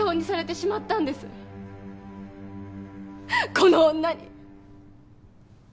この女に。